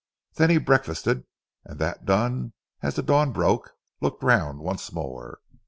Then he breakfasted, and that done, as the dawn broke, looked round once more.